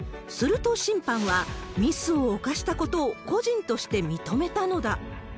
すると審判は、ミスを犯したことを個人として認めたのだ。